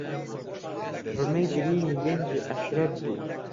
پڕمەی گرینی گەنجی عەشیرەت بوو.